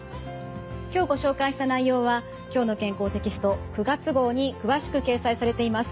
今日ご紹介した内容は「きょうの健康」テキスト９月号に詳しく掲載されています。